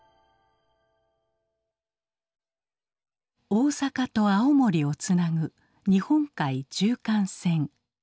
大阪と青森をつなぐ日本海縦貫線。